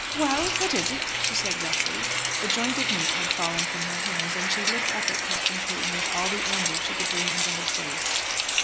"Well; what is it?" she said, roughly. The joint of meat had fallen from her hands, and she looked up at Captain Clayton with all the anger she could bring into her face.